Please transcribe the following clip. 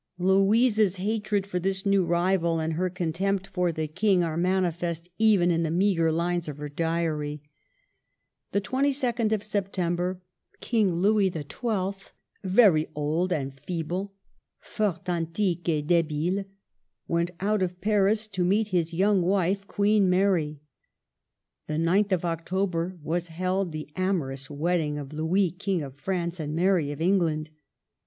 Louisa's hatred for this new rival and her contempt for the King 28 MARGARET OF ANGOULEME. are manifest even in the meagre lines of her diary :— "The 22d of September, King Louis XII., very old and feeble \fort antique et debile\ went out of Paris to meet his young wife Queen Mary. " The 9th of October was held the amorous wedding of Louis, King of France, and Mary of England.